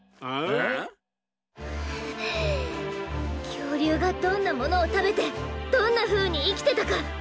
きょうりゅうがどんなものをたべてどんなふうにいきてたか。